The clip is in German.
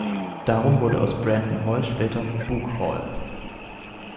Darum wurde aus Brandon Hall später Bug Hall.